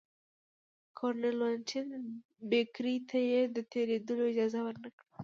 کرنل ولنټین بېکر ته یې د تېرېدلو اجازه ورنه کړه.